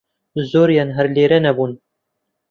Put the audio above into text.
زۆریان هەر لێرە نەبوون